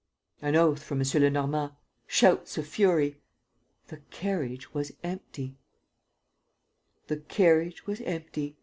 ... An oath from M. Lenormand ... shouts of fury. ... The carriage was empty! The carriage was empty.